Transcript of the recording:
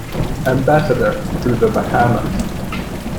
Ambassador to the Bahamas.